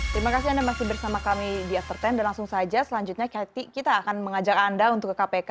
terima kasih anda masih bersama kami di after sepuluh dan langsung saja selanjutnya kita akan mengajak anda untuk ke kpk